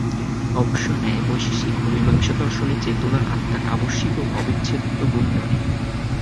অবশ্য ন্যায়-বৈশেষিক ও মীমাংসা দর্শনে চেতনা আত্মার আবশ্যিক ও অবিচ্ছেদ্য গুণ নয়।